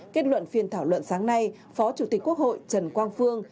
kết luận phiên thảo luận sáng nay phó chủ tịch quốc hội trần quang phương